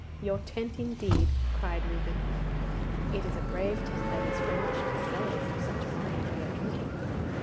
'Your tent, indeed!' cried Reuben; 'it is a brave tent that is furnished with cellars of such wine as we are drinking.